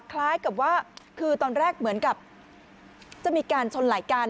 คล้ายกับว่าคือตอนแรกเหมือนกับจะมีการชนไหล่กัน